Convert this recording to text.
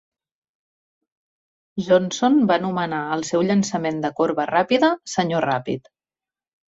Johnson va anomenar el seu llançament de corba ràpida "Sr. Ràpid".